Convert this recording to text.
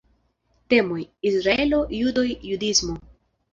Temoj: Israelo, judoj, judismo.